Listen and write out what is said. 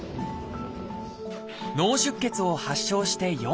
脳出血を発症して４か月。